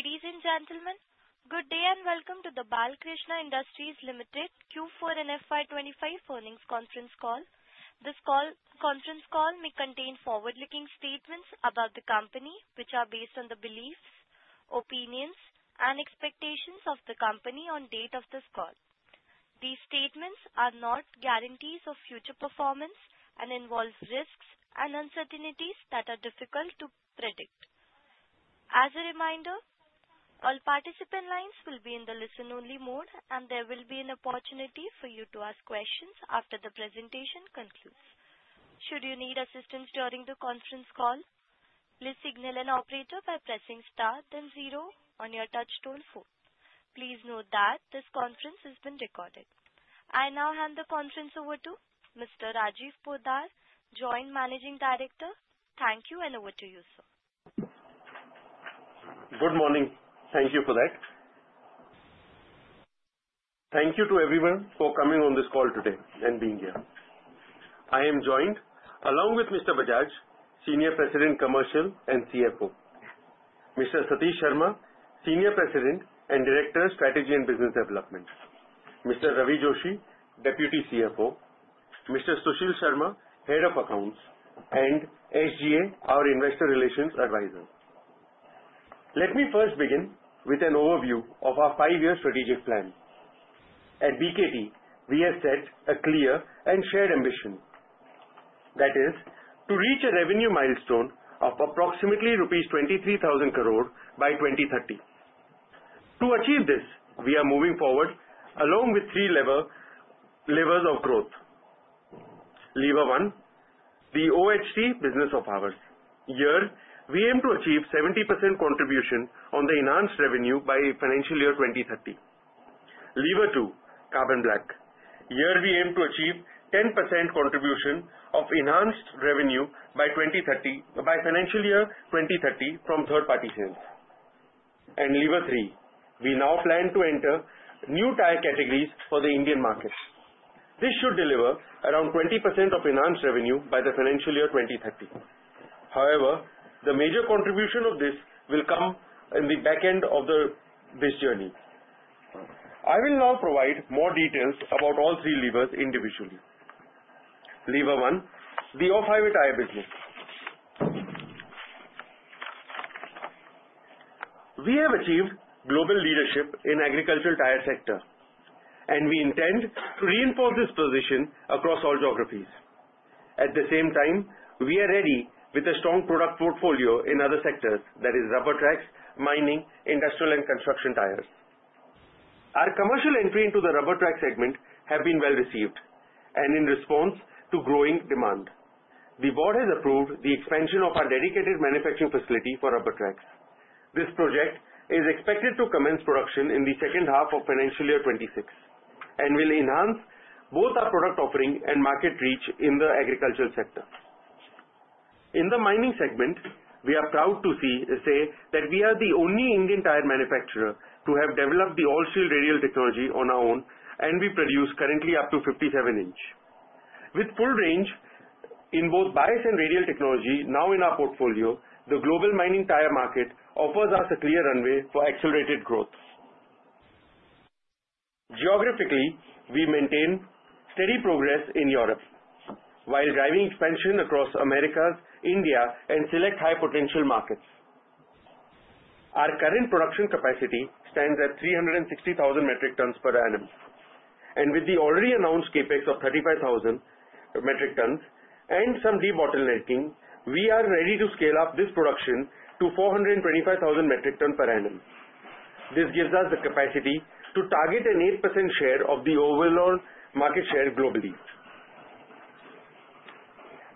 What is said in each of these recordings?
Ladies and gentlemen, good day and welcome to the Balkrishna Industries Ltd Q4 and FY 2025 Earnings Conference Call. This Conference Call may contain forward-looking statements about the company, which are based on the beliefs, opinions, and expectations of the company on the date of this call. These statements are not guarantees of future performance and involve risks and uncertainties that are difficult to predict. As a reminder, all participant lines will be in the listen-only mode, and there will be an opportunity for you to ask questions after the presentation concludes. Should you need assistance during the conference call, please signal an operator by pressing star then zero on your touch-tone phone. Please note that this conference has been recorded. I now hand the conference over to Mr. Rajiv Poddar, Joint Managing Director. Thank you, and over to you, sir. Good morning. Thank you for that. Thank you to everyone for coming on this call today and being here. I am joined, along with Mr. Bajaj, Senior President, Commercial and CFO; Mr. Satish Sharma, Senior President and Director of Strategy and Business Development; Mr. Ravi Joshi, Deputy CFO; Mr. Sushil Sharma, Head of Accounts; and SGA, our Investor Relations Advisor. Let me first begin with an overview of our five-year strategic plan. At BKT, we have set a clear and shared ambition, that is, to reach a revenue milestone of approximately rupees 23,000 crore by 2030. To achieve this, we are moving forward along with three levers of growth. Lever one: the OHC business of ours. Here, we aim to achieve 70% contribution on the enhanced revenue by financial year 2030. Lever two: carbon black. Here, we aim to achieve 10% contribution of enhanced revenue by financial year 2030 from third-party sales. Lever three: we now plan to enter new tire categories for the Indian market. This should deliver around 20% of enhanced revenue by the financial year 2030. However, the major contribution of this will come in the back end of this journey. I will now provide more details about all three levers individually. Lever one: the off-highway tire business. We have achieved global leadership in the agricultural tire sector, and we intend to reinforce this position across all geographies. At the same time, we are ready with a strong product portfolio in other sectors, that is, rubber tracks, mining, industrial, and construction tires. Our commercial entry into the rubber track segment has been well received and in response to growing demand. The board has approved the expansion of our dedicated manufacturing facility for rubber tracks. This project is expected to commence production in the second half of financial year 2026 and will enhance both our product offering and market reach in the agricultural sector. In the mining segment, we are proud to say that we are the only Indian tire manufacturer to have developed the all-steel radial technology on our own, and we produce currently up to 57-inch. With full range in both bias and radial technology now in our portfolio, the global mining tire market offers us a clear runway for accelerated growth. Geographically, we maintain steady progress in Europe while driving expansion across Americas, India, and select high-potential markets. Our current production capacity stands at 360,000 metric tons per annum. With the already announced CapEx of 35,000 metric tons and some de-bottlenecking, we are ready to scale up this production to 425,000 metric tons per annum. This gives us the capacity to target an 8% share of the overall market share globally.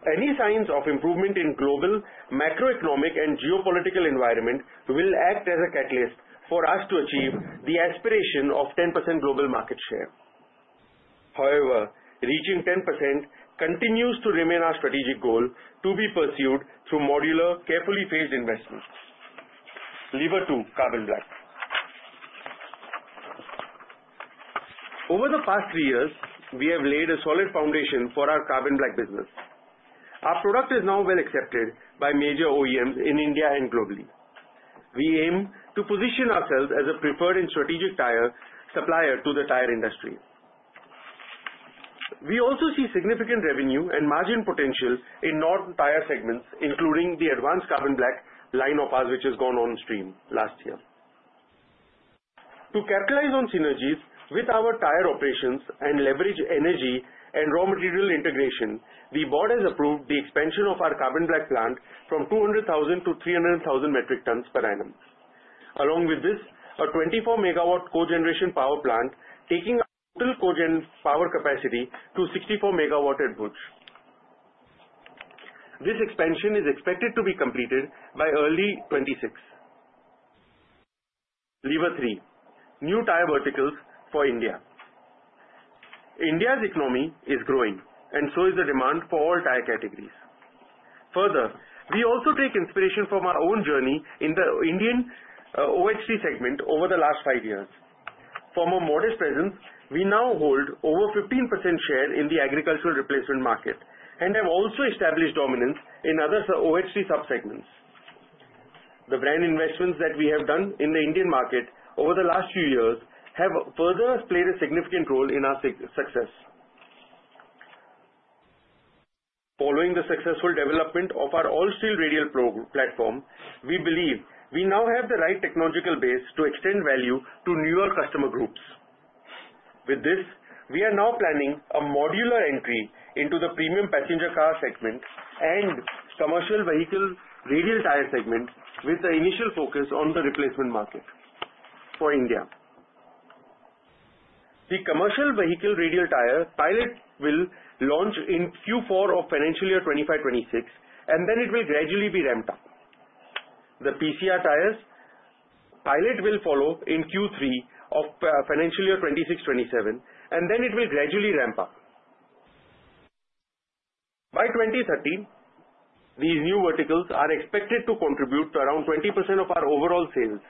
Any signs of improvement in the global macroeconomic and geopolitical environment will act as a catalyst for us to achieve the aspiration of 10% global market share. However, reaching 10% continues to remain our strategic goal to be pursued through modular, carefully phased investments. Lever two: carbon black. Over the past three years, we have laid a solid foundation for our carbon black business. Our product is now well accepted by major OEMs in India and globally. We aim to position ourselves as a preferred and strategic tire supplier to the tire industry. We also see significant revenue and margin potential in non-tire segments, including the advanced carbon black line of ours, which has gone on stream last year. To capitalize on synergies with our tire operations and leverage energy and raw material integration, the board has approved the expansion of our carbon black plant from 200,000 to 300,000 metric tons per annum. Along with this, a 24-megawatt cogeneration power plant is taking our total cogeneration power capacity to 64 megawatt at Bhuj. This expansion is expected to be completed by early 2026. Lever three: new tire verticals for India. India's economy is growing, and so is the demand for all tire categories. Further, we also take inspiration from our own journey in the Indian OHC segment over the last five years. From a modest presence, we now hold over 15% share in the agricultural replacement market and have also established dominance in other OHC subsegments. The brand investments that we have done in the Indian market over the last few years have further played a significant role in our success. Following the successful development of our all-steel radial platform, we believe we now have the right technological base to extend value to newer customer groups. With this, we are now planning a modular entry into the premium passenger car segment and commercial vehicle radial tire segment with the initial focus on the replacement market for India. The commercial vehicle radial tire pilot will launch in Q4 of financial year 2025-2026, and then it will gradually be ramped up. The PCR tires pilot will follow in Q3 of financial year 2026-2027, and then it will gradually ramp up. By 2030, these new verticals are expected to contribute to around 20% of our overall sales,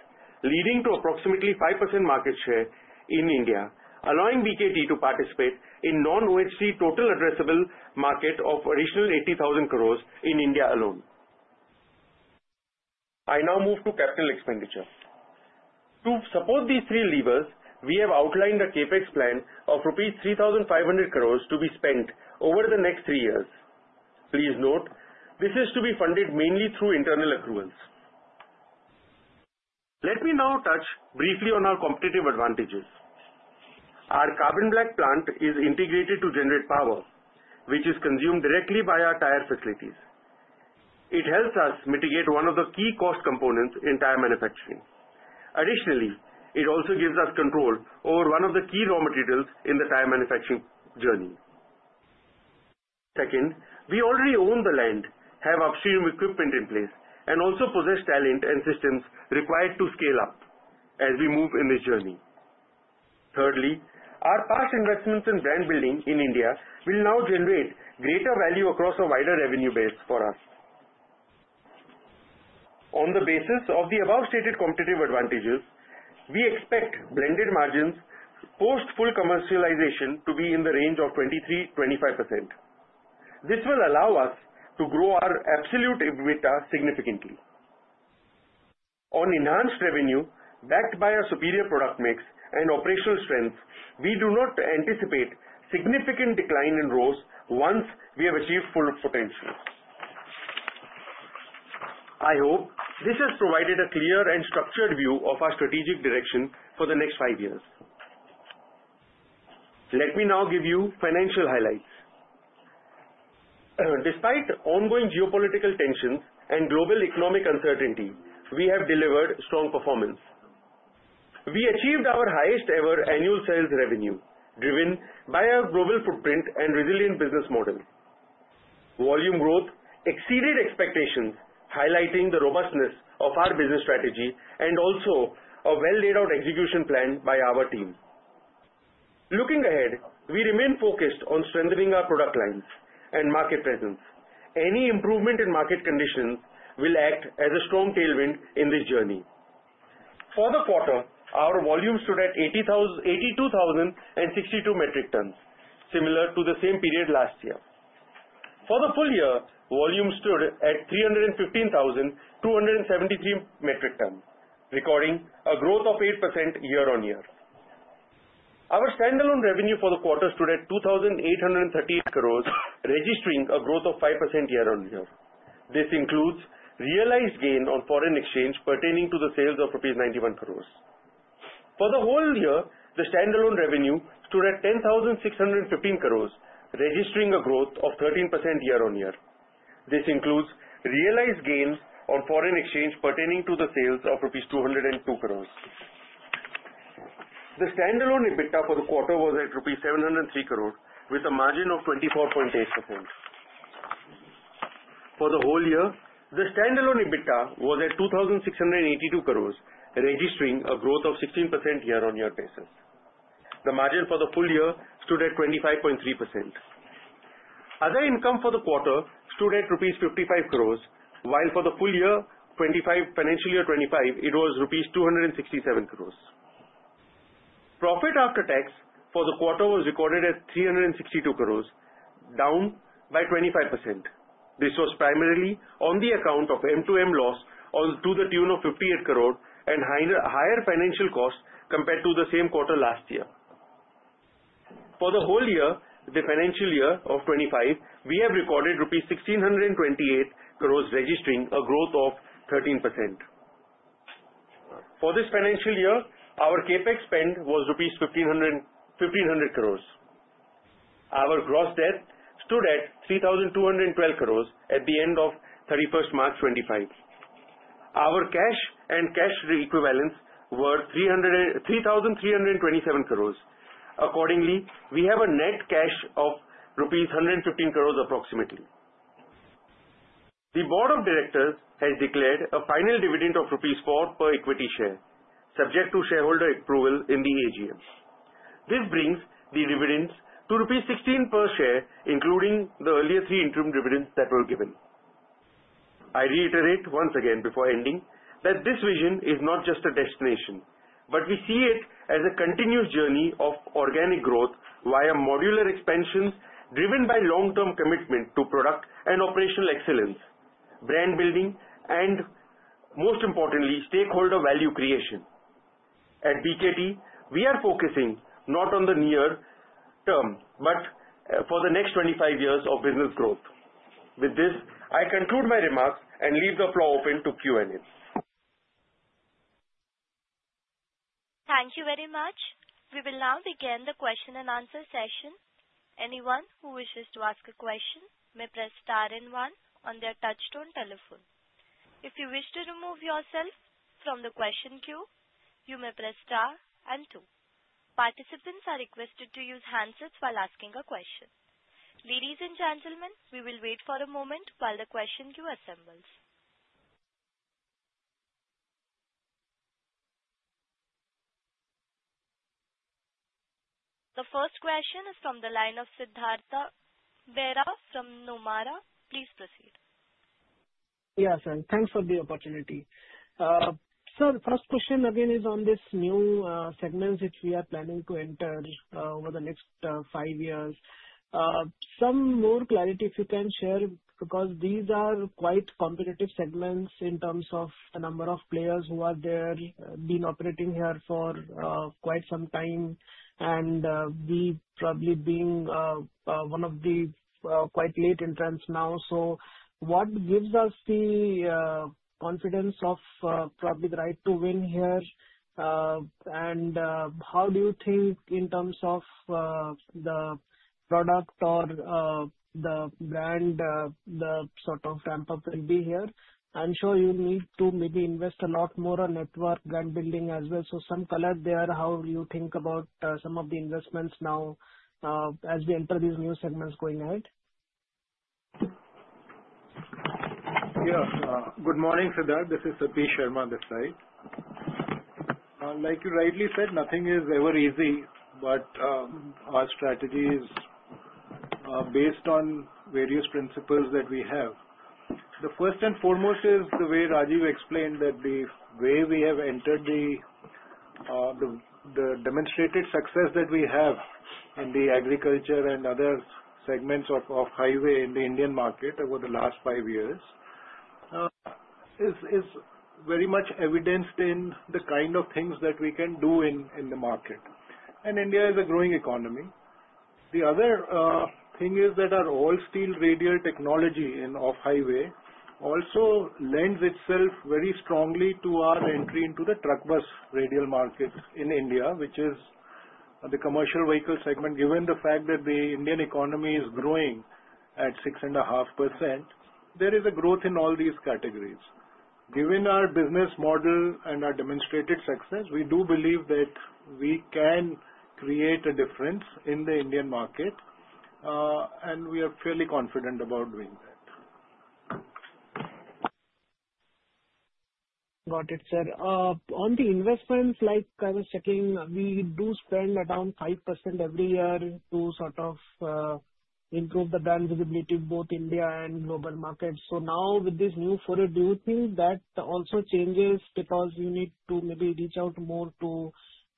leading to approximately 5% market share in India, allowing BKT to participate in the non-OHC total addressable market of additional 80,000 crore in India alone. I now move to capital expenditure. To support these three levers, we have outlined a CapEx plan of rupees 3,500 crore to be spent over the next three years. Please note, this is to be funded mainly through internal accruals. Let me now touch briefly on our competitive advantages. Our carbon black plant is integrated to generate power, which is consumed directly by our tire facilities. It helps us mitigate one of the key cost components in tire manufacturing. Additionally, it also gives us control over one of the key raw materials in the tire manufacturing journey. Second, we already own the land, have upstream equipment in place, and also possess talent and systems required to scale up as we move in this journey. Thirdly, our past investments in brand building in India will now generate greater value across a wider revenue base for us. On the basis of the above-stated competitive advantages, we expect blended margins post full commercialization to be in the range of 23%-25%. This will allow us to grow our absolute EBITDA significantly. On enhanced revenue backed by our superior product mix and operational strength, we do not anticipate a significant decline in growth once we have achieved full potential. I hope this has provided a clear and structured view of our strategic direction for the next five years. Let me now give you financial highlights. Despite ongoing geopolitical tensions and global economic uncertainty, we have delivered strong performance. We achieved our highest-ever annual sales revenue, driven by our global footprint and resilient business model. Volume growth exceeded expectations, highlighting the robustness of our business strategy and also a well-laid-out execution plan by our team. Looking ahead, we remain focused on strengthening our product lines and market presence. Any improvement in market conditions will act as a strong tailwind in this journey. For the quarter, our volume stood at 82,062 metric tons, similar to the same period last year. For the full year, volume stood at 315,273 metric tons, recording a growth of 8% year-on-year. Our standalone revenue for the quarter stood at 2,838 crore, registering a growth of 5% year-on-year. This includes realized gain on foreign exchange pertaining to the sales of rupees 91 crore. For the whole year, the standalone revenue stood at 10,615 crore rupees, registering a growth of 13% year-on-year. This includes realized gains on foreign exchange pertaining to the sales of rupees 202 crore. The standalone EBITDA for the quarter was at rupees 703 crores, with a margin of 24.8%. For the whole year, the standalone EBITDA was at 2,682 crore, registering a growth of 16% year-on-year basis. The margin for the full year stood at 25.3%. Other income for the quarter stood at rupees 550 crore, while for the full year, financial year 2025, it was rupees 267 crores. Profit after tax for the quarter was recorded at 362 crores, down by 25%. This was primarily on the account of M2M loss to the tune of 580 crore and higher financial costs compared to the same quarter last year. For the whole year, the financial year of 2025, we have recorded rupees 1,628 crore, registering a growth of 13%. For this financial year, our capex spend was rupees 1,500 crore. Our gross debt stood at 3,212 crore at the end of 31st March 2025. Our cash and cash equivalents were 3,327 crore. Accordingly, we have a net cash of rupees 115 crore approximately. The Board of Directors has declared a final dividend of 4 rupees per equity share, subject to shareholder approval in the AGM. This brings the dividends to 16 rupees per share, including the earlier three interim dividends that were given. I reiterate once again before ending that this vision is not just a destination, but we see it as a continuous journey of organic growth via modular expansions driven by long-term commitment to product and operational excellence, brand building, and most importantly, stakeholder value creation. At BKT, we are focusing not on the near term, but for the next 25 years of business growth. With this, I conclude my remarks and leave the floor open to Q&A. Thank you very much. We will now begin the question and answer session. Anyone who wishes to ask a question may press star and one on their touch-tone telephone. If you wish to remove yourself from the question queue, you may press star and two. Participants are requested to use handsets while asking a question. Ladies and gentlemen, we will wait for a moment while the question queue assembles. The first question is from the line of Siddhartha Bera from Nomura. Please proceed. Yes, sir. Thanks for the opportunity. Sir, the first question again is on this new segment which we are planning to enter over the next five years. Some more clarity, if you can share, because these are quite competitive segments in terms of the number of players who are there being operating here for quite some time, and we probably being one of the quite late entrants now. What gives us the confidence of probably the right to win here? How do you think in terms of the product or the brand, the sort of ramp-up will be here? I'm sure you need to maybe invest a lot more on network and building as well. Some color there. How do you think about some of the investments now as we enter these new segments going ahead? Yes. Good morning, Siddhartha. This is Satish Sharma this side. Like you rightly said, nothing is ever easy, but our strategy is based on various principles that we have. The first and foremost is the way Rajiv explained that the way we have entered, the demonstrated success that we have in the agriculture and other segments of off-highway in the Indian market over the last five years is very much evidenced in the kind of things that we can do in the market. India is a growing economy. The other thing is that our all-steel radial technology in off-highway also lends itself very strongly to our entry into the truck bus radial market in India, which is the commercial vehicle segment. Given the fact that the Indian economy is growing at 6.5%, there is a growth in all these categories. Given our business model and our demonstrated success, we do believe that we can create a difference in the Indian market, and we are fairly confident about doing that. Got it, sir. On the investments, like I was checking, we do spend around 5% every year to sort of improve the brand visibility in both India and global markets. Now with this new FURRET, do you think that also changes because you need to maybe reach out more to,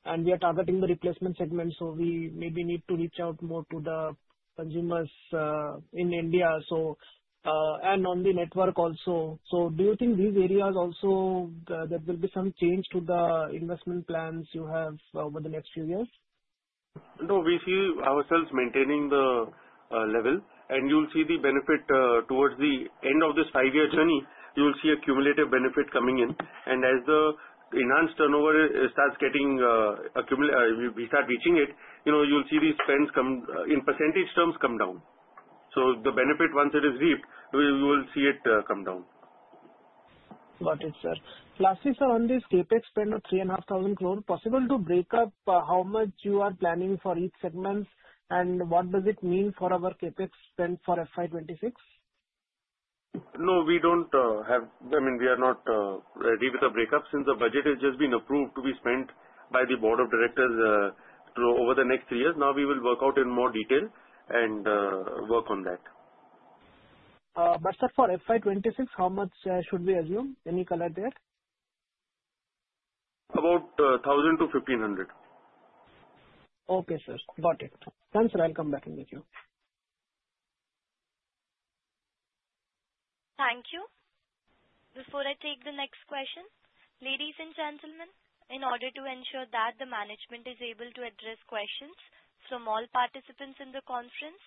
and we are targeting the replacement segment, so we maybe need to reach out more to the consumers in India and on the network also? Do you think these areas also there will be some change to the investment plans you have over the next few years? No, we see ourselves maintaining the level, and you'll see the benefit towards the end of this five-year journey. You'll see a cumulative benefit coming in. As the enhanced turnover starts getting accumulated, we start reaching it, you'll see these spends in percentage terms come down. The benefit, once it is reaped, you will see it come down. Got it, sir. Lastly, sir, on this CapEx spend of 3,500 crore, possible to break up how much you are planning for each segment and what does it mean for our CapEx spend for FY 2026? No, we do not have, I mean, we are not ready with the breakup since the budget has just been approved to be spent by the Board of Directors over the next three years. Now we will work out in more detail and work on that. But sir, for FY 2026, how much should we assume? Any color there? About 1,000-1,500. Okay, sir. Got it. Thanks, sir. I'll come back and meet you. Thank you. Before I take the next question, ladies and gentlemen, in order to ensure that the management is able to address questions from all participants in the conference,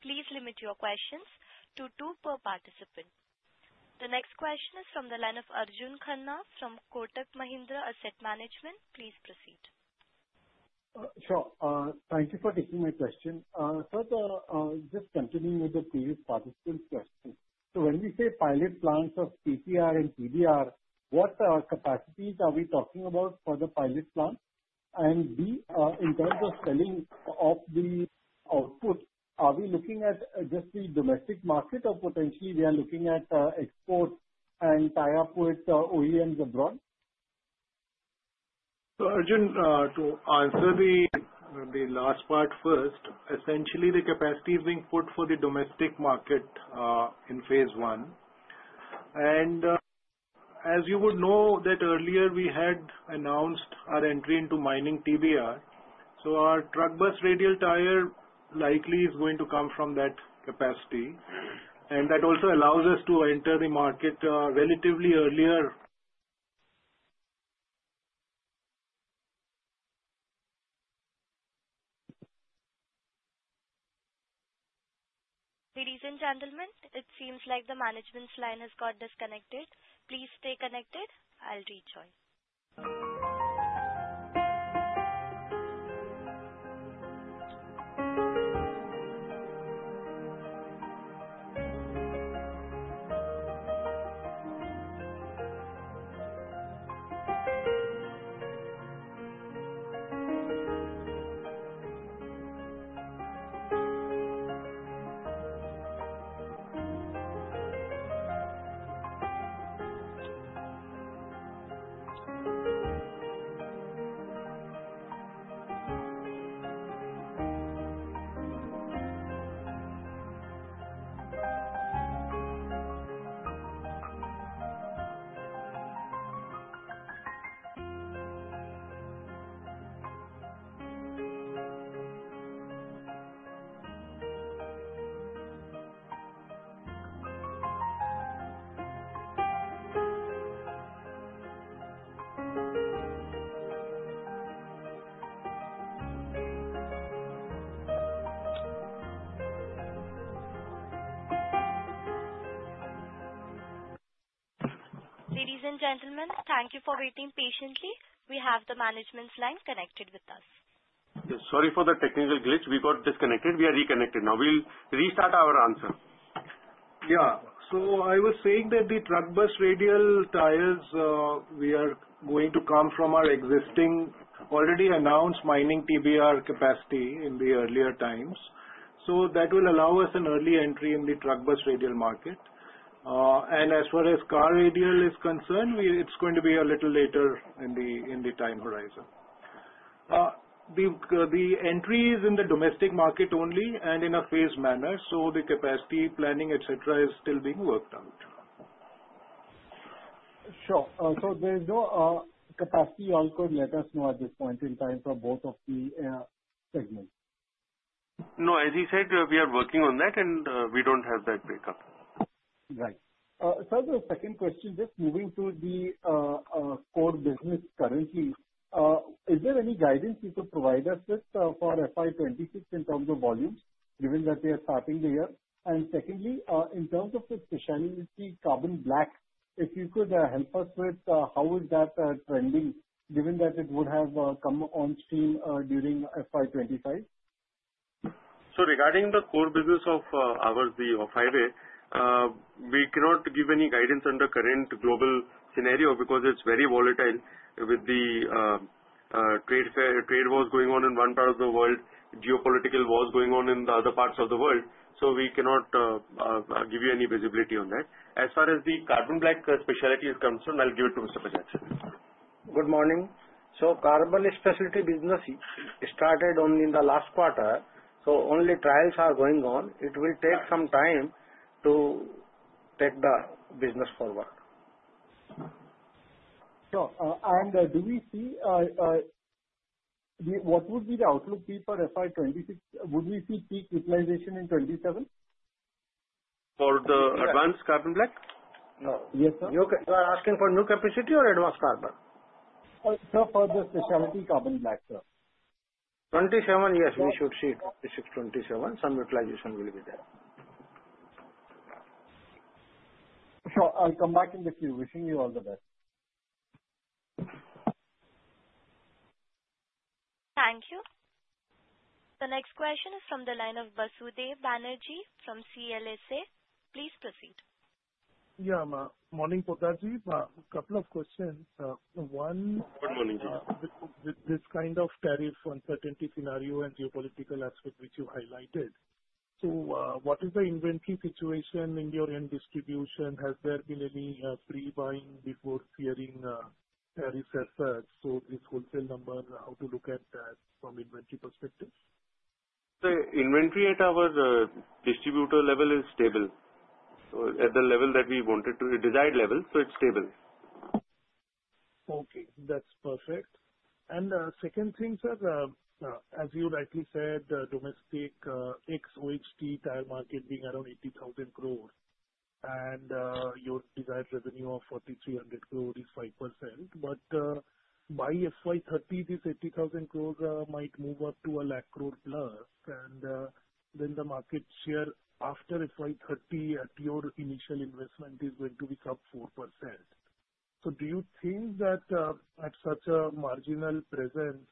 please limit your questions to two per participant. The next question is from the line of Arjun Kannan from Kotak Mahindra Asset Management. Please proceed. Sure. Thank you for taking my question. Sir, just continuing with the previous participant question. When we say pilot plans of PCR and TBR, what capacities are we talking about for the pilot plans? And B, in terms of selling of the output, are we looking at just the domestic market or potentially are we looking at export and tie-up with OEMs abroad? Arjun, to answer the last part first, essentially the capacity is being put for the domestic market in phase one. As you would know, earlier we had announced our entry into mining TBR. Our truck bus radial tire likely is going to come from that capacity. That also allows us to enter the market relatively earlier. Ladies and gentlemen, it seems like the management's line has got disconnected. Please stay connected. I'll rejoin. Ladies and gentlemen, thank you for waiting patiently. We have the management's line connected with us. Sorry for the technical glitch. We got disconnected. We are reconnected now. We'll restart our answer. Yeah. I was saying that the truck bus radial tires are going to come from our existing already announced mining TBR capacity in the earlier times. That will allow us an early entry in the truck bus radial market. As far as car radial is concerned, it's going to be a little later in the time horizon. The entry is in the domestic market only and in a phased manner. The capacity planning, etc., is still being worked out. Sure. There is no capacity outgoing letters now at this point in time for both of the segments? No, as you said, we are working on that, and we do not have that breakup. Right. Sir, the second question, just moving to the core business currently, is there any guidance you could provide us with for in terms of volumes, given that we are starting the year? Secondly, in terms of the specialty carbon black, if you could help us with how is that trending, given that it would have come on stream during FY 2025? Regarding the core business of ours, the off-highway, we cannot give any guidance under current global scenario because it is very volatile with the trade wars going on in one part of the world, geopolitical wars going on in the other parts of the world. We cannot give you any visibility on that. As far as the carbon black specialty is concerned, I'll give it to Mr. Bajaj. Good morning. The carbon specialty business started only in the last quarter. Only trials are going on. It will take some time to take the business forward. Sure. Do we see, what would be the outlook before fiscal year 2026? Would we see peak utilization in 2027? For the advanced carbon black? Yes, sir. Are you are asking for new capacity or advanced carbon? For the specialty carbon black, sir. 2027, yes, we should see 2026, 2027. Some utilization will be there. Sure. I'll come back in the queue. Wishing you all the best. Thank you. The next question is from the line of Basudev Banerjee from CLSA. Please proceed. Yeah. Morning, Poddarji. Couple of questions. One. Good morning, sir. This kind of tariff uncertainty scenario and geopolitical aspect which you highlighted, what is the inventory situation in your end distribution? Has there been any pre-buying before fearing tariff effects? This wholesale number, how to look at that from inventory perspective? The inventory at our distributor level is stable. At the level that we wanted to, desired level, so it's stable. Okay. That's perfect. Second thing, sir, as you rightly said, domestic OHT tire market being around 80,000 crore, and your desired revenue of 4,300 crores is 5%. By FY 2030, this 80,000 crores might move up to 1,000,000 plus, and then the market share after FY 2030 at your initial investment is going to be sub 4%. Do you think that at such a marginal presence,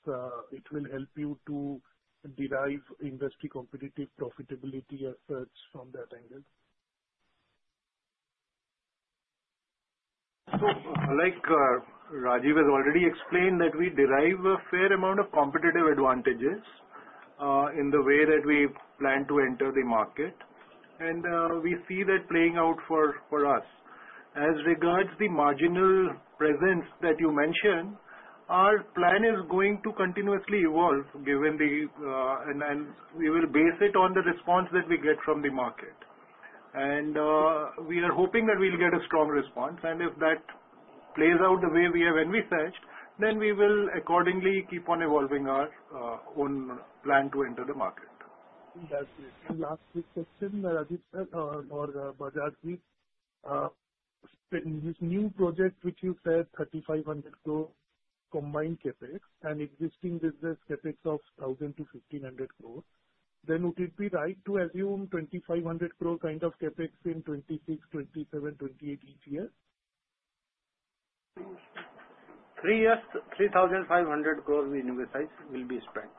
it will help you to derive industry competitive profitability as such from that angle? Like Rajiv has already explained, we derive a fair amount of competitive advantages in the way that we plan to enter the market, and we see that playing out for us. As regards the marginal presence that you mentioned, our plan is going to continuously evolve given the, and we will base it on the response that we get from the market. We are hoping that we'll get a strong response, and if that plays out the way we have envisaged, we will accordingly keep on evolving our own plan to enter the market. That's it. Last question, Rajiv sir, or Poddarji, this new project which you said, 3,500 crore combined capex and existing business capex of 1,000-1,500 crore, would it be right to assume 2,500 crore kind of capex in 2026, 2027, 2028 each year? Three years, 3,500 crores we envisage will be spent.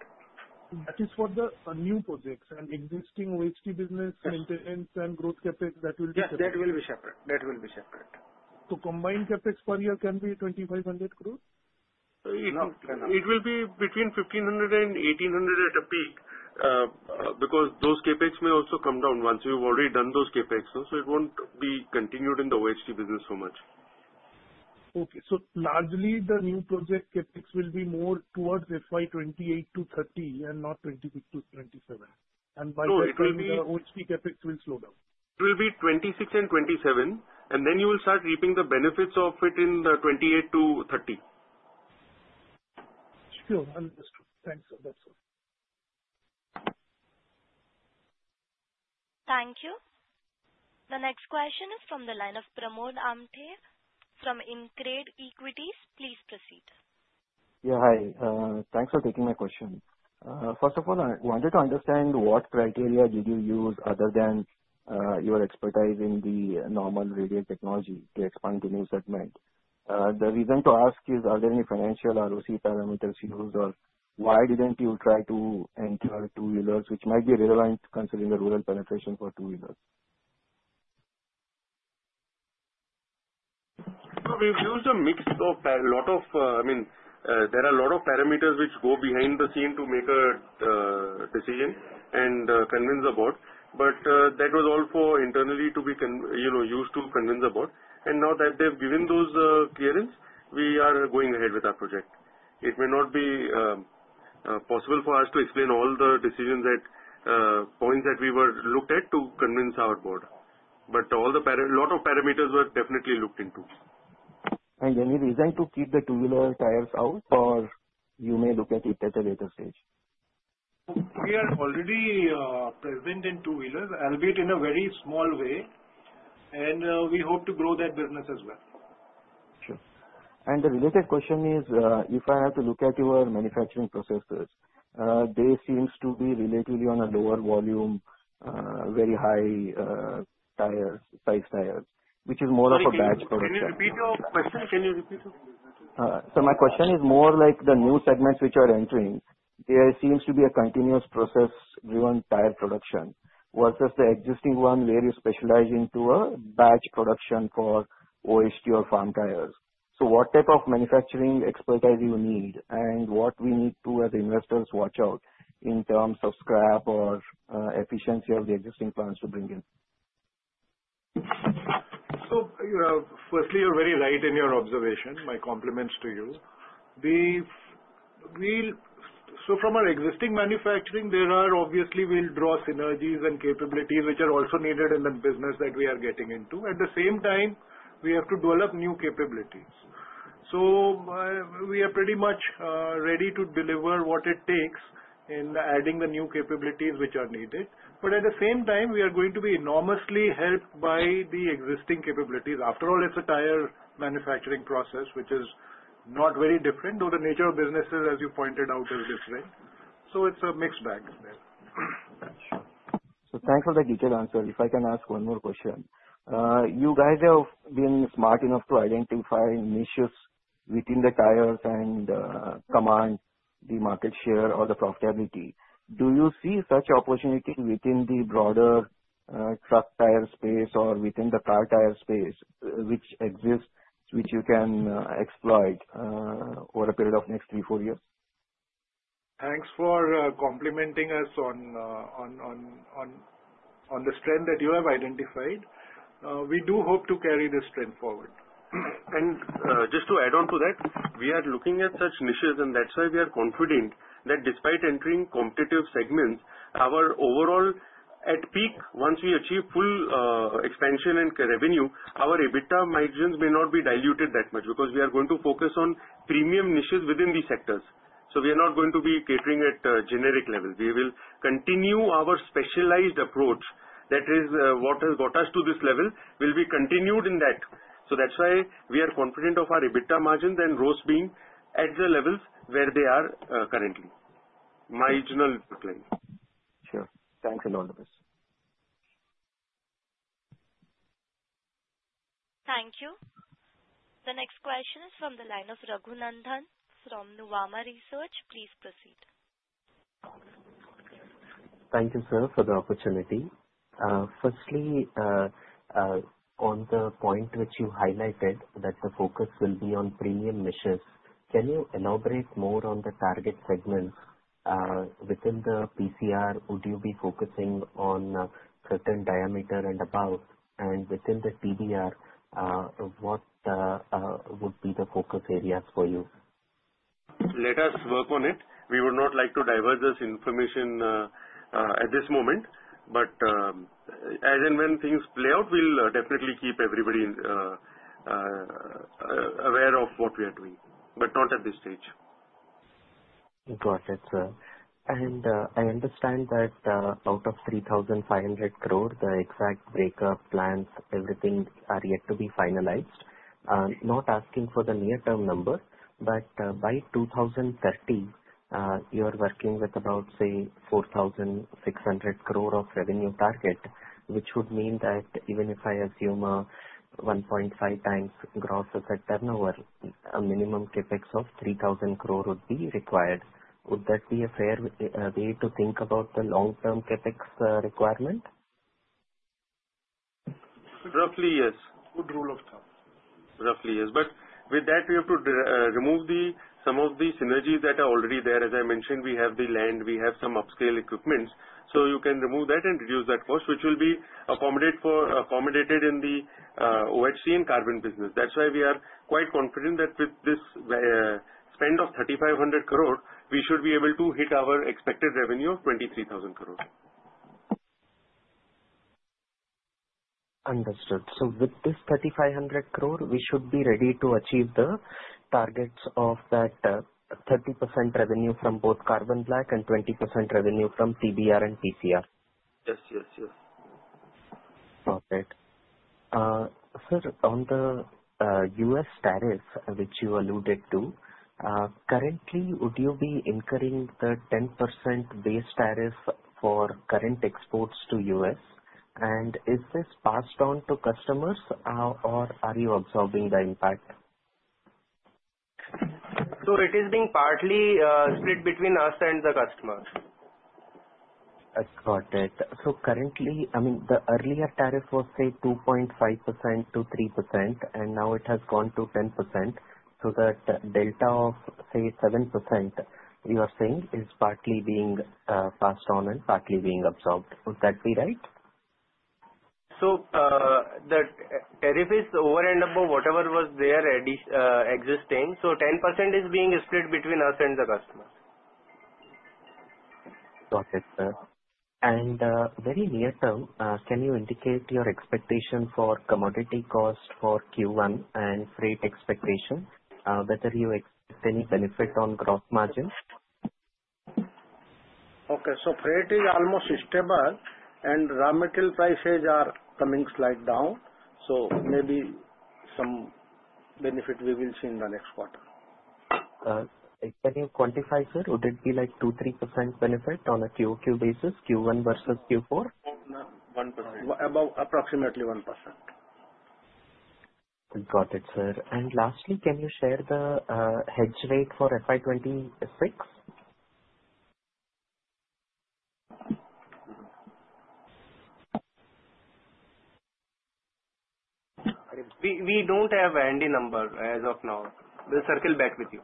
That is for the new projects and existing OHT business maintenance and growth CapEx that will be separate. that will be separate. So combined capex per year can be 2,500 crore? No, it will be between 1,500 and 1,800 at a peak because those capex may also come down once we've already done those capex, so it won't be continued in the OHT business so much. Okay. So largely the new project capex will be more towards FY 2028 to 2030 and not 2026 to 2027. And by 2030, the OHT capex will slow down. It will be 2026 and 2027, and then you will start reaping the benefits of it in 2028 to 2030. Sure. Understood. Thanks, sir. That's all. Thank you. The next question is from the line of Pramod Amthe from InCred Equities. Please proceed. Yeah. Hi. Thanks for taking my question. First of all, I wanted to understand what criteria did you use other than your expertise in the normal radial technology to expand the new segment? The reason to ask is, are there any financial ROCE parameters used, or why did not you try to enter two-wheelers, which might be relevant considering the rural penetration for two-wheelers? We have used a mix of a lot of, I mean, there are a lot of parameters which go behind the scene to make a decision and convince the board. That was all for internally to be used to convince the board. Now that they have given those clearance, we are going ahead with our project. It may not be possible for us to explain all the decisions at points that we were looked at to convince our board. A lot of parameters were definitely looked into. Any reason to keep the two-wheeler tires out, or you may look at it at a later stage? We are already present in two-wheelers, albeit in a very small way, and we hope to grow that business as well. Sure. The related question is, if I have to look at your manufacturing processes, there seems to be relatively on a lower volume, very high size tires, which is more of a batch production. Can you repeat your question? Can you repeat it? My question is more like the new segments which are entering, there seems to be a continuous process-driven tire production versus the existing one where you specialize into a batch production for OHT or farm tires. What type of manufacturing expertise do you need, and what do we need to, as investors, watch out in terms of scrap or efficiency of the existing plants to bring in? Firstly, you're very right in your observation. My compliments to you. From our existing manufacturing, there are obviously we'll draw synergies and capabilities which are also needed in the business that we are getting into. At the same time, we have to develop new capabilities. We are pretty much ready to deliver what it takes in adding the new capabilities which are needed. At the same time, we are going to be enormously helped by the existing capabilities. After all, it's a tire manufacturing process which is not very different, though the nature of businesses, as you pointed out, is different. It's a mixed bag there Thanks for the detailed answer. If I can ask one more question, you guys have been smart enough to identify niches within the tires and command the market share or the profitability. Do you see such opportunity within the broader truck tire space or within the car tire space which exists, which you can exploit over a period of next three, four years? Thanks for complimenting us on the strength that you have identified. We do hope to carry this strength forward. Just to add on to that, we are looking at such niches, and that is why we are confident that despite entering competitive segments, our overall at peak, once we achieve full expansion and revenue, our EBITDA margins may not be diluted that much because we are going to focus on premium niches within these sectors. We are not going to be catering at a generic level. We will continue our specialized approach. That is what has got us to this level and will be continued in that. That is why we are confident of our EBITDA margins and growth being at the levels where they are currently. Marginal decline. Sure. Thanks a lot. Thank you. The next question is from the line of Raghunandhan from Nuvama Research. Please proceed. Thank you, sir, for the opportunity. Firstly, on the point which you highlighted that the focus will be on premium niches, can you elaborate more on the target segments within the PCR? Would you be focusing on certain diameter and above? And within the TBR, what would be the focus areas for you? Let us work on it. We would not like to divulge this information at this moment. As and when things play out, we will definitely keep everybody aware of what we are doing, but not at this stage. Got it, sir. I understand that out of 3,500 crore, the exact breakup plans, everything are yet to be finalized. Not asking for the near-term number, but by 2030, you're working with about, say, 4,600 crore of revenue target, which would mean that even if I assume a 1.5x gross asset turnover, a minimum CapEx of 3,000 crore would be required. Would that be a fair way to think about the long-term CapEx requirement? Roughly, yes. Good rule of thumb. Roughly, yes. With that, we have to remove some of the synergies that are already there. As I mentioned, we have the land, we have some upscale equipment. You can remove that and reduce that cost, which will be accommodated in the OHT and carbon business. That's why we are quite confident that with this spend of 3,500 crore, we should be able to hit our expected revenue of 23,000 crore. Understood. With this 3,500 crore, we should be ready to achieve the targets of that 30% revenue from both carbon black and 20% revenue from TBR and PCR? Yes Got it. Sir, on the U.S. tariff which you alluded to, currently, would you be incurring the 10% base tariff for current exports to the U.S.? Is this passed on to customers, or are you absorbing the impact? It is being partly split between us and the customers. Got it. Currently, I mean, the earlier tariff was, say, 2.5%-3%, and now it has gone to 10%. That delta of, say, 7% you are saying is partly being passed on and partly being absorbed. Would that be right? The tariff is over and above whatever was there existing. 10% is being split between us and the customers. Got it, sir. Very near term, can you indicate your expectation for commodity cost for Q1 and freight expectation, whether you expect any benefit on gross margin? Okay. Freight is almost stable, and raw material prices are coming slight down. Maybe some benefit we will see in the next quarter. Can you quantify, sir? Would it be like 2-3% benefit on a QOQ basis, Q1 versus Q4? Approximately 1%. Got it, sir. Lastly, can you share the hedge rate for FY 2026? We do not have any number as of now. We will circle back with you.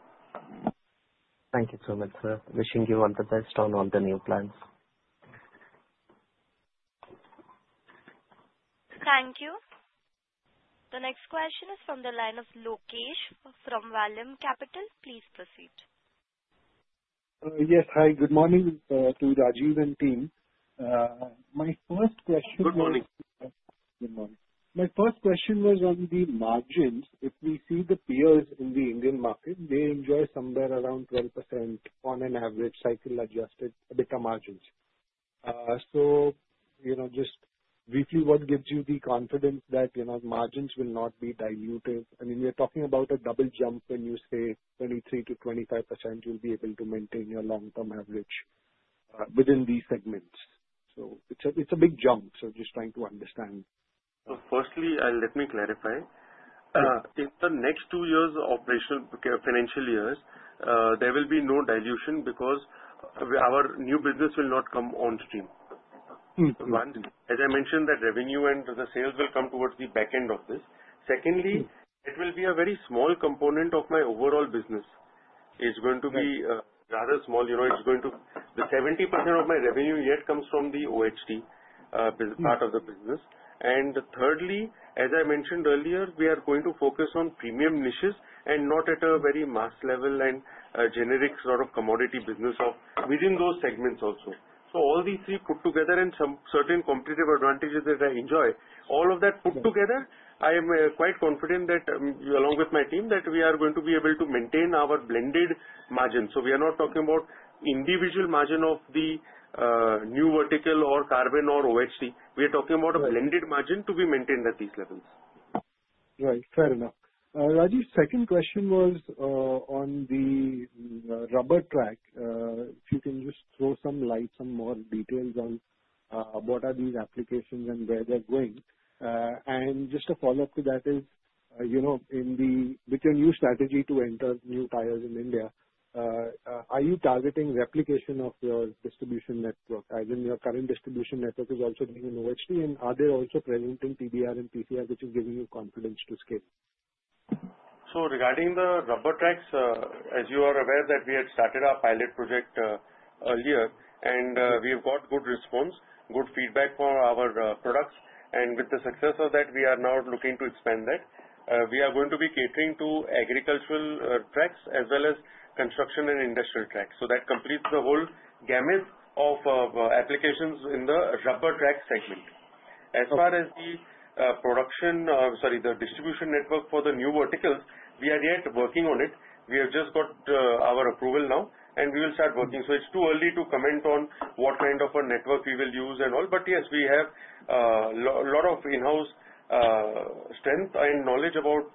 Thank you so much, sir. Wishing you all the best on all the new plans. Thank you. The next question is from the line of Lokesh from Vallum Capital. Please proceed. Yes. Hi. Good morning to Rajiv and team. My first question was. Good morning. Good morning. My first question was on the margins. If we see the peers in the Indian market, they enjoy somewhere around 12% on an average cycle-adjusted EBITDA margins. So just briefly, what gives you the confidence that margins will not be diluted? I mean, we are talking about a double jump when you say 23%-25% you'll be able to maintain your long-term average within these segments. It's a big jump. Just trying to understand. Firstly, let me clarify. In the next two years' operational financial years, there will be no dilution because our new business will not come on stream. One, as I mentioned, that revenue and the sales will come towards the back end of this. Secondly, it will be a very small component of my overall business. It's going to be rather small. It's going to be 70% of my revenue yet comes from the OHT part of the business. Thirdly, as I mentioned earlier, we are going to focus on premium niches and not at a very mass level and generic sort of commodity business within those segments also. All these three put together and some certain competitive advantages that I enjoy, all of that put together, I am quite confident that along with my team, that we are going to be able to maintain our blended margins. We are not talking about individual margin of the new vertical or carbon or OHT. We are talking about a blended margin to be maintained at these levels. Right. Fair enough. Rajiv, second question was on the rubber track. If you can just throw some light, some more details on what are these applications and where they're going. And just a follow-up to that is, with your new strategy to enter new tires in India, are you targeting replication of your distribution network? As in, your current distribution network is also doing an OHT, and are they also present in TBR and PCR, which is giving you confidence to scale? Regarding the rubber tracks, as you are aware that we had started our pilot project earlier, and we have got good response, good feedback for our products. With the success of that, we are now looking to expand that. We are going to be catering to agricultural tracks as well as construction and industrial tracks. That completes the whole gamut of applications in the rubber track segment. As far as the production—sorry, the distribution network for the new verticals, we are yet working on it. We have just got our approval now, and we will start working. It is too early to comment on what kind of a network we will use and all. But Yes, we have a lot of in-house strength and knowledge about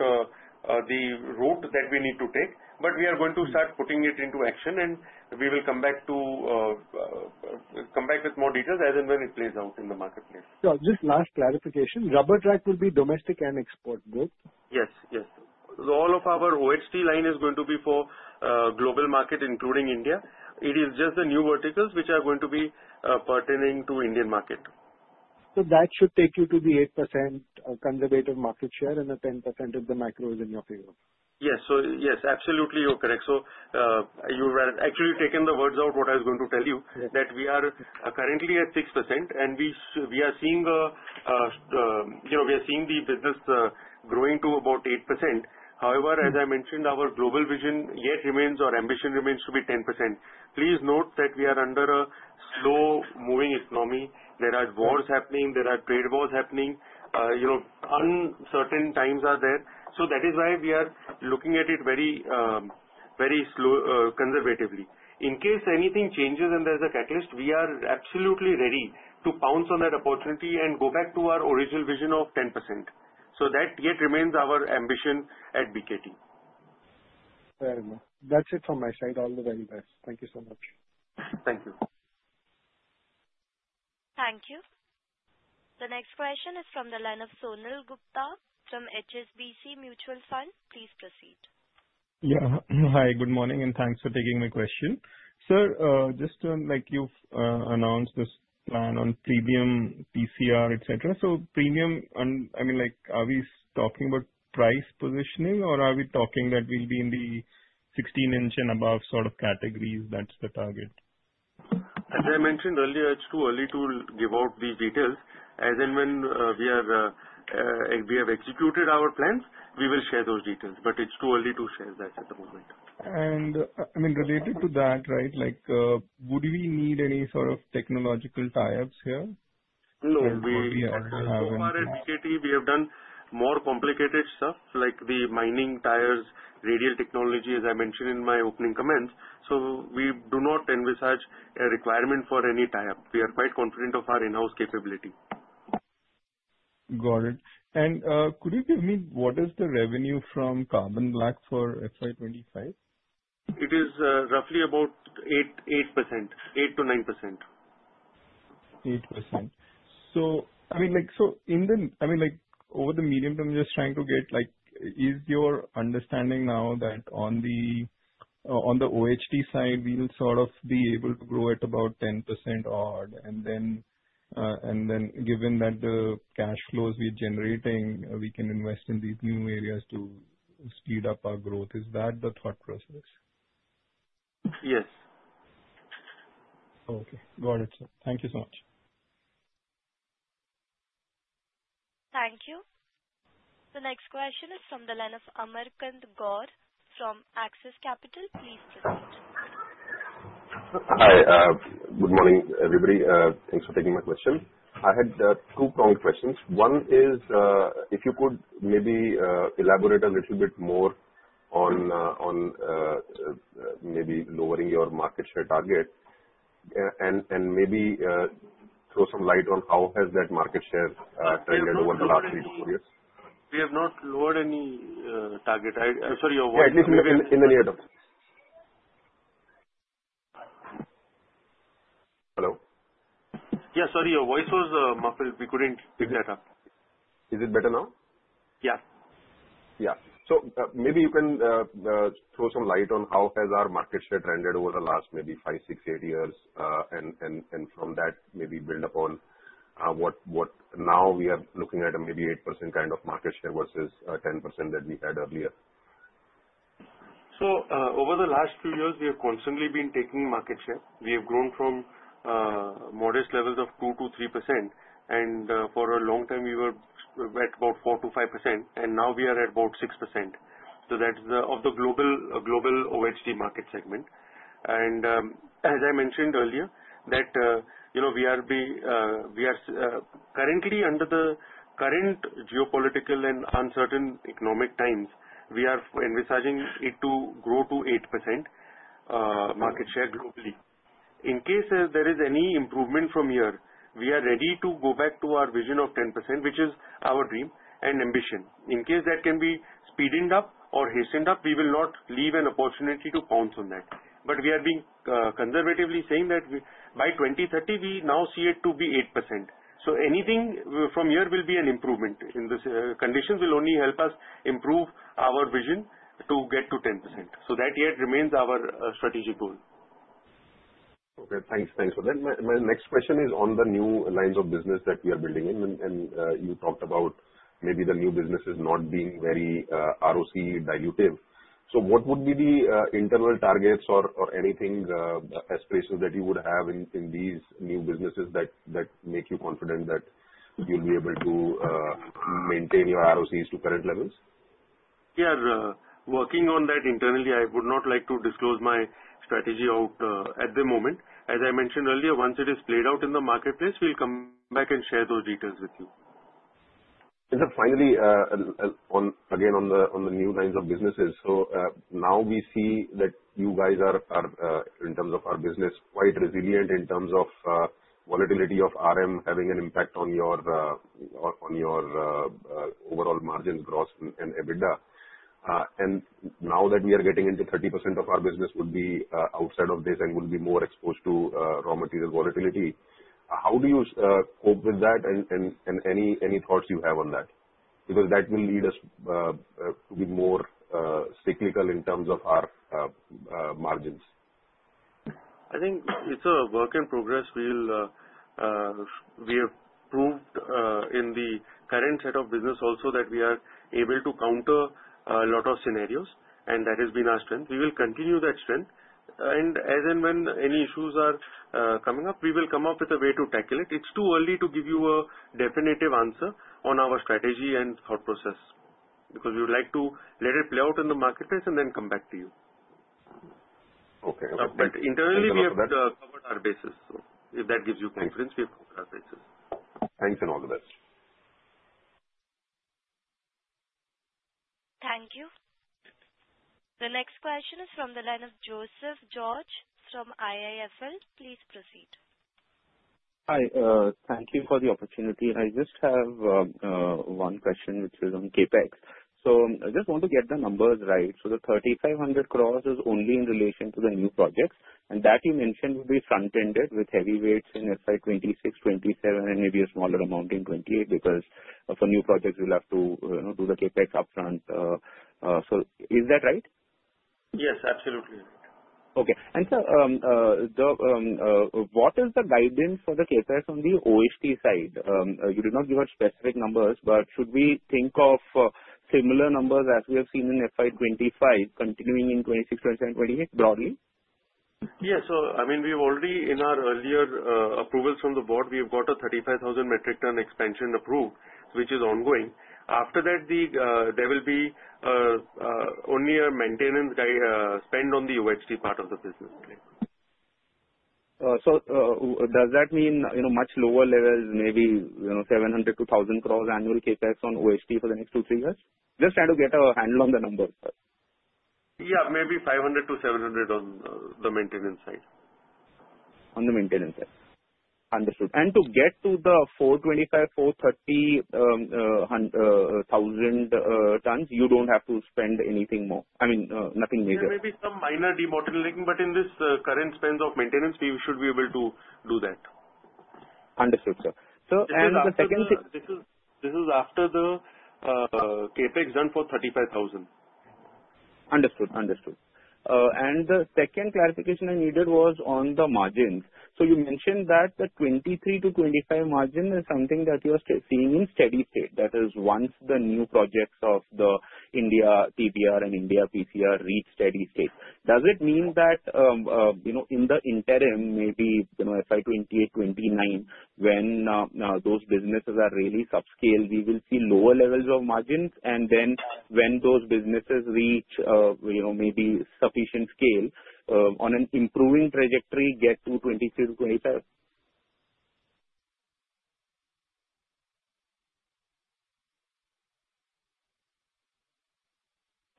the route that we need to take. We are going to start putting it into action, and we will come back with more details as and when it plays out in the marketplace. Just last clarification, rubber track would be domestic and export, boh? Yes, yes. All of our OHT line is going to be for global market, including India. It is just the new verticals which are going to be pertaining to the Indian market. That should take you to the 8% conservative market share and the 10% of the macros in your favor. Yes. Absolutely, you're correct. You've actually taken the words out, what I was going to tell you, that we are currently at 6%, and we are seeing the business growing to about 8%. However, as I mentioned, our global vision yet remains, or ambition remains, to be 10%. Please note that we are under a slow-moving economy. There are wars happening. There are trade wars happening. Uncertain times are there. That is why we are looking at it very conservatively. In case anything changes and there's a catalyst, we are absolutely ready to pounce on that opportunity and go back to our original vision of 10%. So that yet remains our ambition at BKT. Fair enough. That's it from my side. All the very best. Thank you so much. Thank you. Thank you. The next question is from the line of Sonal Gupta from HSBC Mutual Fund. Please proceed. Yeah. Hi. Good morning and thanks for taking my question. Sir, just like you've announced this plan on premium PCR, etc. So premium, I mean, are we talking about price positioning, or are we talking that we'll be in the 16-inch and above sort of categories? That's the target. As I mentioned earlier, it's too early to give out these details. As in, when we have executed our plans, we will share those details. But it's too early to share that at the moment. I mean, related to that, right, would we need any sort of technological tie-ups here? No. We already have them. So far at BKT, we have done more complicated stuff like the mining tires, radial technology, as I mentioned in my opening comments. We do not envisage a requirement for any tie-up. We are quite confident of our in-house capability. Got it. Could you give me what is the revenue from carbon black for FY 2025? It is roughly about 8%. 8%-9%. 8%. I mean, over the medium term, just trying to get is your understanding now that on the OHT side, we will sort of be able to grow at about 10% odd, and then given that the cash flows we are generating, we can invest in these new areas to speed up our growth. Is that the thought process? Yes. Okay. Got it, sir. Thank you so much. Thank you. The next question is from the line of Amar kant Gaur from Axis Capital. Please proceed. Hi. Good morning, everybody. Thanks for taking my question. I had two-pronged questions. One is if you could maybe elaborate a little bit more on maybe lowering your market share target and maybe throw some light on how has that market share trended over the last three to four years. We have not lowered any target. I'm sorry, your voice— Yeah, it is in the near term. Hello? Yeah. Sorry, your voice was muffled. We could not pick that up. Is it better now? Yeah. Yeah. So maybe you can throw some light on how has our market share trended over the last maybe five, six, eight years, and from that maybe build upon what now we are looking at a maybe 8% kind of market share versus 10% that we had earlier. Over the last two years, we have constantly been taking market share. We have grown from modest levels of 2-3%, and for a long time, we were at about 4-5%, and now we are at about 6%. That is of the global OHT market segment. As I mentioned earlier, we are currently, under the current geopolitical and uncertain economic times, we are envisaging it to grow to 8% market share globally. In case there is any improvement from here, we are ready to go back to our vision of 10%, which is our dream and ambition. In case that can be speeding up or hastened up, we will not leave an opportunity to pounce on that. We are being conservatively saying that by 2030, we now see it to be 8%. Anything from here will be an improvement. Conditions will only help us improve our vision to get to 10%. That yet remains our strategic goal. Okay. Thanks. Thanks. My next question is on the new lines of business that we are building in, and you talked about maybe the new businesses not being very ROCE dilutive. What would be the internal targets or anything, aspirations that you would have in these new businesses that make you confident that you'll be able to maintain your ROCEs to current levels? We are working on that internally. I would not like to disclose my strategy out at the moment. As I mentioned earlier, once it is played out in the marketplace, we'll come back and share those details with you. Finally, again, on the new lines of businesses, now we see that you guys are, in terms of our business, quite resilient in terms of volatility of RM having an impact on your overall margins, gross, and EBITDA. Now that we are getting into 30% of our business would be outside of this and would be more exposed to raw material volatility, how do you cope with that and any thoughts you have on that? Bexause that will lead us to be more cyclical in terms of our margins. I think it is a work in progress. We have proved in the current set of business also that we are able to counter a lot of scenarios, and that has been our strength. We will continue that strength. As and when any issues are coming up, we will come up with a way to tackle it. It's too early to give you a definitive answer on our strategy and thought process because we would like to let it play out in the marketplace and then come back to you. But internally, we have covered our bases. So if that gives you confidence, we have covered our bases. Thanks and all the best. Thank you. The next question is from the line of Joseph George from IIFL. Please proceed. Hi. Thank you for the opportunity. I just have one question, which is on CapEx. I just want to get the numbers right. The 3,500 crore is only in relation to the new projects, and that you mentioned will be front-ended with heavy weights in FY 2026, 2027, and maybe a smaller amount in 2028 because for new projects, we'll have to do the CapEx upfront. Is that right? Yes, absolutely. Okay. Sir, what is the guidance for the CapEx on the OHT side? You did not give us specific numbers, but should we think of similar numbers as we have seen in FY 2025 continuing in 2026, 2027, 2028 broadly? Yeah. I mean, we've already, in our earlier approvals from the board, we have got a 35,000 metric ton expansion approved, which is ongoing. After that, there will be only a maintenance spend on the OHT part of the business. Does that mean much lower levels, maybe 700 million-1,000 million annual CapEx on OHT for the next two, three years? Just trying to get a handle on the numbers. Yeah. Maybe 500 million-700 million on the maintenance side. On the maintenance side. Understood. To get to the 425,000-430,000 tons, you do not have to spend anything more. I mean, nothing major. Yeah. Maybe some minor demodeling, but in this current spend of maintenance, we should be able to do that. Understood, sir. The second this is after the CapEx done for 35,000. Understood. The second clarification I needed was on the margins. You mentioned that the 23%-25% margin is something that you are seeing in steady state. That is once the new projects of the India TBR and India PCR reach steady state. Does it mean that in the interim, maybe FY 2028, 2029, when those businesses are really subscale, we will see lower levels of margins? Then when those businesses reach maybe sufficient scale, on an improving trajectory, get to 23%-25%?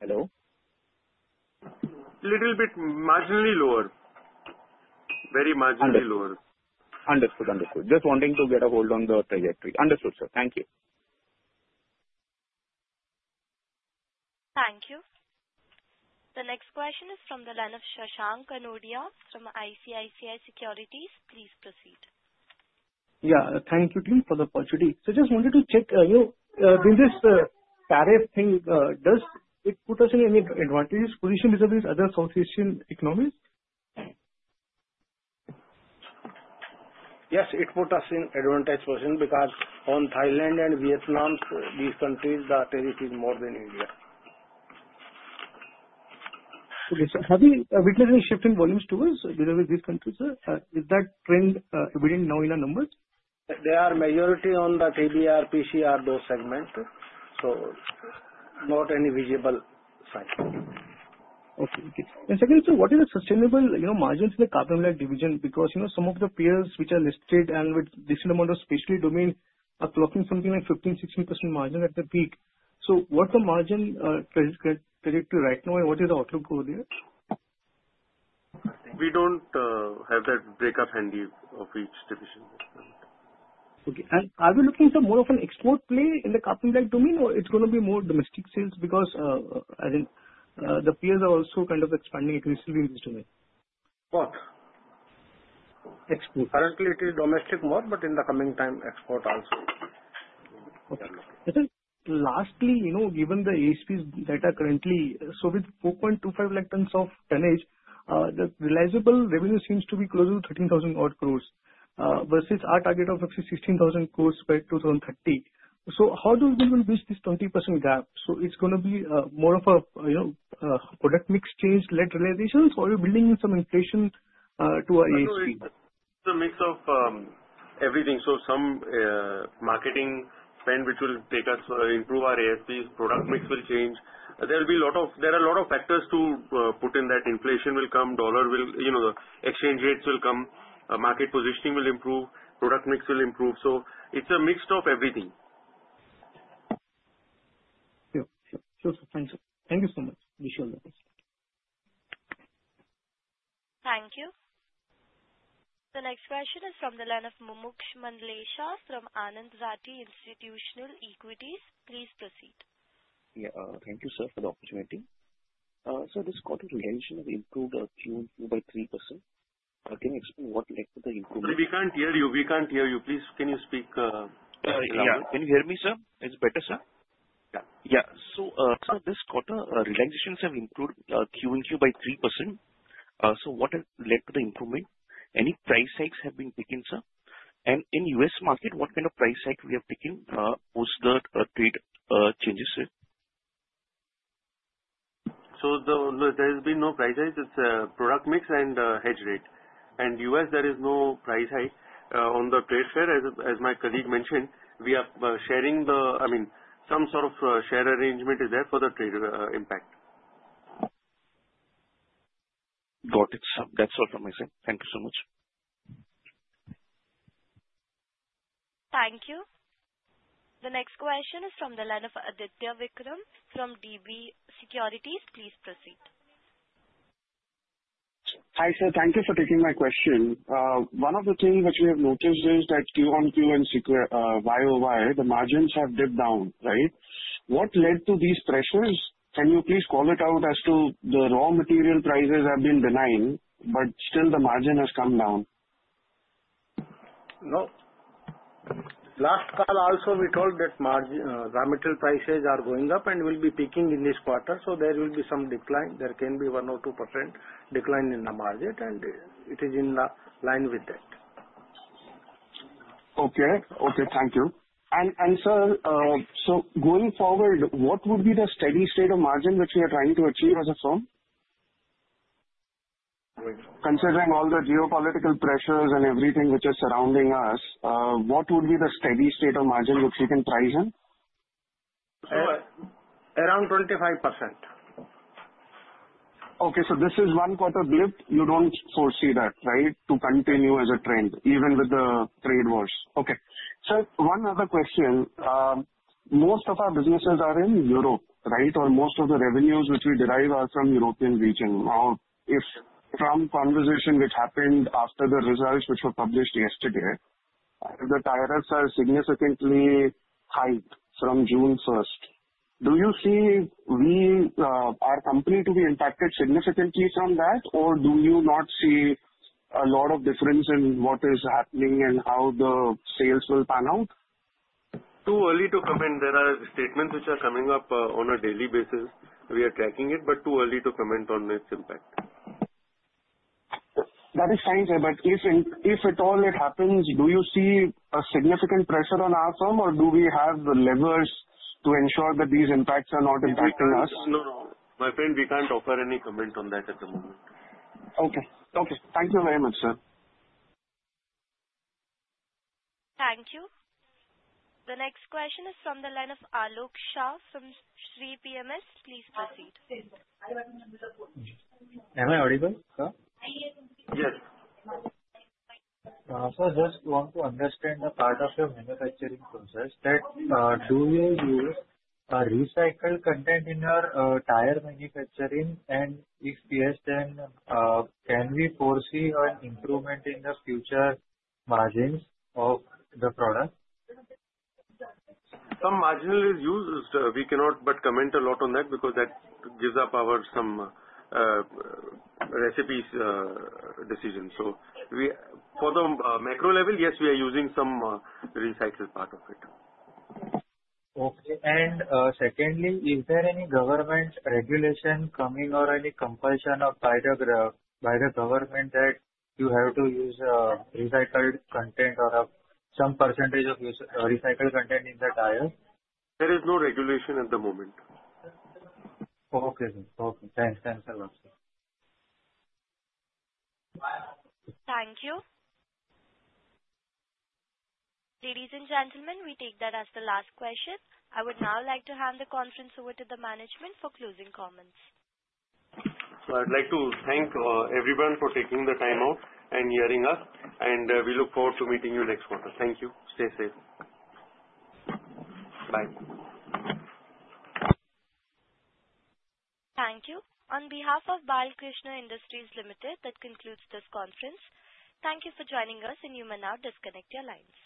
Hello? Little bit. Marginally lower. Very marginally lower. Understood. Understood. Just wanting to get a hold on the trajectory. Understood, sir. Thank you. Thank you. The next question is from the line of Shashank Kanodia from ICICI Securities. Please proceed. Yeah. Thank you again for the opportunity. Just wanted to check, in this tariff thing, does it put us in any advantageous position vis-à-vis other Southeastern economies? Yes. It puts us in an advantageous position because on Thailand and Vietnam, these countries, the tariff is more than India. Okay. Sir, have you witnessed any shift in volumes towards vis-à-vis these countries, sir? Is that trend evident now in the numbers? They are majority on the TBR, PCR, those segments. Not any visible sign. Okay. Okay. Secondly, sir, what is the sustainable margins in the carbon black division? Because some of the peers which are listed and with decent amount of specialty domains are clocking something like 15-16% margin at the peak. What's the margin trajectory right now, and what is the outlook over there? We don't have that breakup handy of each division. Okay. Are we looking, sir, more of an export play in the carbon black domain, or is it going to be more domestic sales because the peers are also kind of expanding aggressively in this domain? Both. Export. Currently, it is domestic more, but in the coming time, export also. Okay. Lastly, given the HP's data currently, with 425,000 tons of tonnage, the realizable revenue seems to be closer to 13,000 crore versus our target of 16,000 crore by 2030. How do we reach this 20% gap? Is it going to be more of a product mix change, led to realizations, or are we building some inflation to our ASP? It's a mix of everything. So some marketing spend, which will take us to improve our ASPs, product mix will change. There are a lot of factors to put in that. Inflation will come, dollar exchange rates will come, market positioning will improve, product mix will improve. It is a mix of everything. Sure. Thank you. Thank you so much. Wish you all the best. Thank you. The next question is from the line of Mumuksh Mandlesha from Anand Rathi Institutional Equities. Please proceed. Yeah. Thank you, sir, for the opportunity. Sir, this quarter realization has improved Q-on-Q by 3%. Can you explain what led to the improvement? We cannot hear you. We cannot hear you. Please can you speak clearer? Can you hear me, sir? Is it better, sir? Yeah. This quarter, realizations have improved Q-on-Q by 3%. What has led to the improvement? Any price hikes have been taken, sir? In U.S. market, what kind of price hike have we taken post the trade changes, sir? There has been no price hike. It is product mix and hedge rate. In U.S., there is no price hike on the trade share. As my colleague mentioned, we are sharing the, I mean, some sort of share arrangement is there for the trade impact. Got it. That is all from my side. Thank you so much. Thank you. The next question is from the line of Aditya Vikram from DB Securities. Please proceed. Hi, sir. Thank you for taking my question. One of the things which we have noticed is that Q1Q and YOY, the margins have dipped down, right? What led to these pressures? Can you please call it out as to the raw material prices have been benign, but still the margin has come down? No. Last call also, we told that raw material prices are going up and will be peaking in this quarter. So there will be some decline. There can be 1 or 2% decline in the margin, and it is in line with that. Okay. Thank you. And sir, so going forward, what would be the steady state of margin which we are trying to achieve as a firm? Considering all the geopolitical pressures and everything which is surrounding us, what would be the steady state of margin which we can price in? Around 25%. Okay. So this is one quarter blip. You do not foresee that, right, to continue as a trend even with the trade wars. Okay. Sir, one other question. Most of our businesses are in Europe, right? Or most of the revenues which we derive are from European region. Now, if from conversation which happened after the results which were published yesterday, the tariffs are significantly high from June 1st. Do you see our company to be impacted significantly from that, or do you not see a lot of difference in what is happening and how the sales will pan out? Too early to comment. There are statements which are coming up on a daily basis. We are tracking it, but too early to comment on its impact. That is fine, sir. If at all it happens, do you see a significant pressure on our firm, or do we have the levers to ensure that these impacts are not impacting us? No, my friend, we can't offer any comment on that at the moment. Okay. Thank you very much, sir. Thank you. The next question is from the line of Alok Shah from Sri PMS. Please proceed. Am I audible, sir? Yes. Sir, just want to understand the part of your manufacturing process that do you use recycled content in your tire manufacturing? And if yes, then can we foresee an improvement in the future margins of the product? Some marginal is used. We cannot but comment a lot on that because that gives up our some recipes decision. So for the macro level, yes, we are using some recycled part of it Okay. And secondly, is there any government regulation coming or any compulsion by the government that you have to use recycled content or some percentage of recycled content in the tires? \There is no regulation at the moment. Okay. Thanks. Thanks a lot. Thank you. Ladies and gentlemen, we take that as the last question. I would now like to hand the conference over to the management for closing comments. I would like to thank everyone for taking the time out and hearing us. We look forward to meeting you next quarter. Thank you. Stay safe. Bye. Thank you. On behalf of Balkrishna Industries Ltd, that concludes this conference. Thank you for joining us, and you may now disconnect your lines.